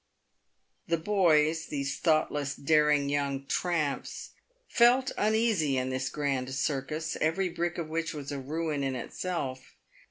The boys — these thoughtless, daring young tramps — felt uneasy in this grand circus, every brick of which was "a ruin in itself."